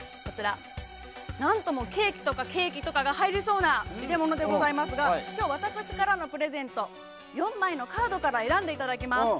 何ともケーキとかケーキが入りそうな入れ物でございますが今日、私からのプレゼント４枚のカードから選んでいただきます。